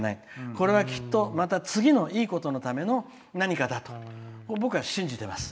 これは、きっとまた次のいいことのための何かだと僕は信じてます。